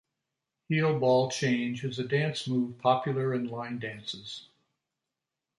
Heel ball change is a dance move popular in line dances.